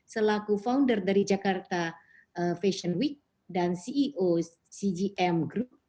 selaku founder dari jakarta fashion week dan ceo cgm group